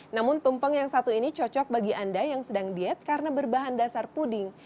namun tumpeng yang satu ini cocok bagi anda yang sedang diet karena berbahan dasar puding